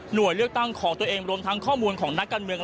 เลือกตั้งของตัวเองรวมทั้งข้อมูลของนักการเมือง